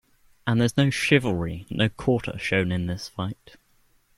And there's no chivalry, no quarter shown in this fight.